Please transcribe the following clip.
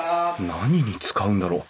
何に使うんだろ？